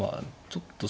ちょっと。